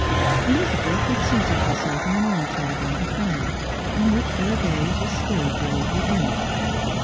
Elizabeth had seated herself in an arm chair by the fire, on which her gaze was still gravely bent.